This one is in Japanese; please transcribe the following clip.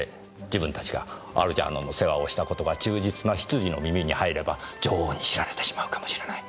自分たちがアルジャーノンの世話をした事が忠実な執事の耳に入れば女王に知られてしまうかもしれない。